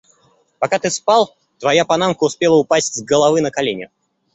Пока ты спал, твоя панамка успела упасть с головы на колени.